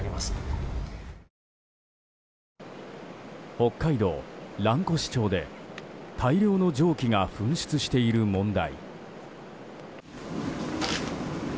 北海道蘭越町で大量の蒸気が噴出している問題。